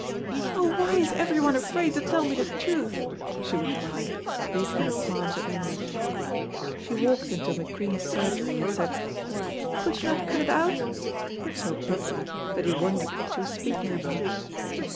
"Oh, why is everyone afraid to tell me the truth!" she would cry, beating her palms in anguish. She walked into McQueen's surgery and said, "Could you not cut it out?" so abruptly that he wondered what she was speaking about.